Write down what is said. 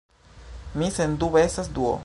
Mi sendube estas Duo!